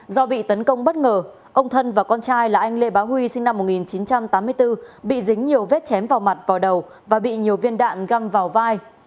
do bị tấn công bất ngờ ông thân và con trai là anh lê bá huy sinh năm một nghìn chín trăm tám mươi bốn bị dính nhiều vết chém vào mặt vào đầu và bị nhiều viên đạn găng vào vai